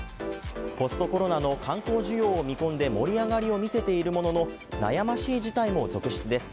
ポストコロナの観光需要も見込んで盛り上がりを見せているものの悩ましい事態も続出です。